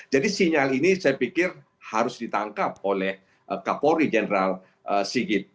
jadi sinyal ini saya pikir harus ditangkap oleh kapolri general sigit